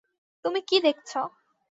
তুমি কী দেখছ?